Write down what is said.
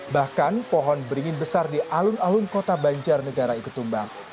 bahkan pohon beringin besar di alun alun kota banjarnegara ikut tumbang